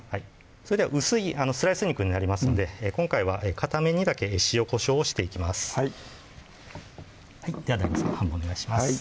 それでは薄いスライス肉になりますので今回は片面にだけ塩・こしょうをしていきますではＤＡＩＧＯさん半分お願いします